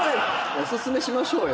お薦めしましょうよ。